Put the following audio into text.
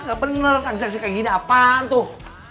gak bener sanksi kayak gini apaan tuh